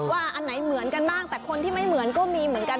อันไหนเหมือนกันบ้างแต่คนที่ไม่เหมือนก็มีเหมือนกัน